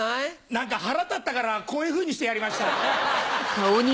何か腹立ったからこういうふうにしてやりました。